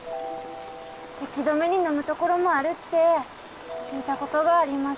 せき止めに飲むところもあるって聞いたことがあります